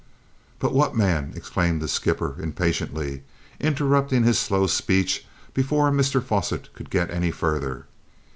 "But what, man!" exclaimed the skipper impatiently, interrupting his slow speech before Mr Fosset could get any further.